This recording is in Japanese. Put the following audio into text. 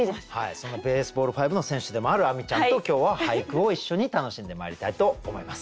そのＢａｓｅｂａｌｌ５の選手でもある亜美ちゃんと今日は俳句を一緒に楽しんでまいりたいと思います。